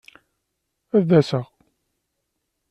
Ad d-aseɣ.